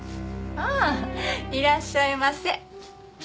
ああいらっしゃいませ。